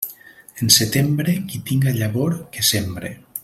En setembre, qui tinga llavor, que sembre.